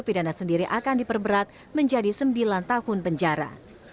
pidana sendiri akan diperberat menjadi sembilan tahun penjara